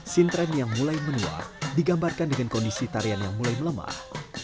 sintren yang mulai menua digambarkan dengan kondisi tarian yang mulai melemah